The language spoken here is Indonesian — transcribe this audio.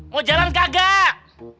mau jalan kagak